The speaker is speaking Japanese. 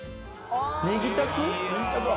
ねぎたく？